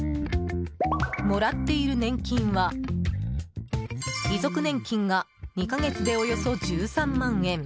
もらっている年金は遺族年金が２か月でおよそ１３万円。